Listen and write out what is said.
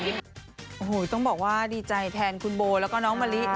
ธิบายตนชั้นดีจัยแทนของขุนโบและน้องมอลิ